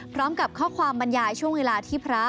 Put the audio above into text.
พร้อมกับข้อความบรรยายช่วงเวลาที่พระ